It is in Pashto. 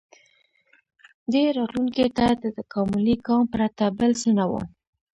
• دې راتلونکي ته د تکاملي ګام پرته بل څه نه و.